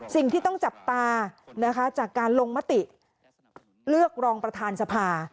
สิ่งที่ต้องจับตานะคะจากการลงมติเลือกรองประธานสภา